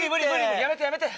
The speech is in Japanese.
やめてやめて。